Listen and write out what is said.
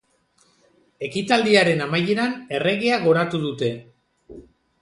Ekitaldiaren amaieran erregea goratu dute.